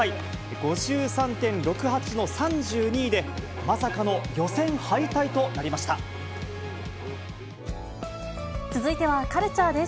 ５３．６８の３２位で、続いてはカルチャーです。